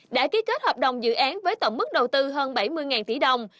đã ký kết hợp đồng dự án với tổng mức đầu tư hơn bảy mươi tỷ đồng